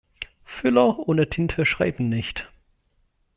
Füller ohne Tinte schreiben nicht.